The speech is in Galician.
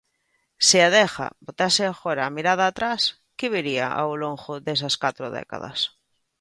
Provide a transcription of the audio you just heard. Se Adega botase agora a mirada atrás, que vería ao longo desas catro décadas?